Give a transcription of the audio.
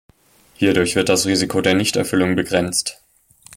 Hierdurch wird das Risiko der Nichterfüllung begrenzt.